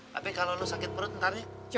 tapi kalau lo sakit perut ntar ya